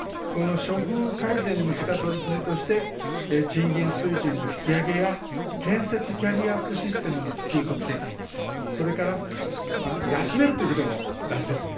処遇改善に向けた取り組みとして、賃金水準の引き上げや、建設キャリアアップシステムの普及促進、それから、休めるということも大事です。